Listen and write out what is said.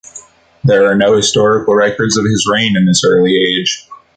There are no historical records of his reign in this early age.